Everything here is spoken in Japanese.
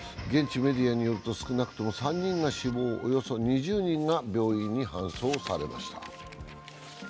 現地メディアによると少なくとも３人が死亡、およそ２０人が病院に搬送されました。